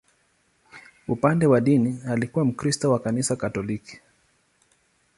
Upande wa dini, alikuwa Mkristo wa Kanisa Katoliki.